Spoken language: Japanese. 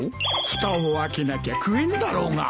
ふたを開けなきゃ食えんだろうが。